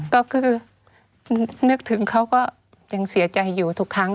ก็คือนึกถึงเขาก็จึงเสียใจอยู่ทุกครั้ง